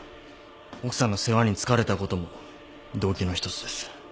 奥さんの世話に疲れたことも動機の一つです。